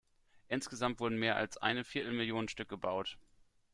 Insgesamt wurden mehr als eine viertel Million Stück gebaut.